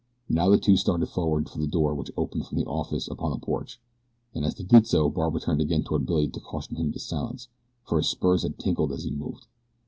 Now the two started forward for the door which opened from the office upon the porch, and as they did so Barbara turned again toward Billy to caution him to silence for his spurs had tinkled as he moved.